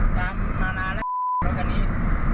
มานานแล้วแล้วคันนี้